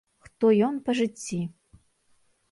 Хто ён па жыцці.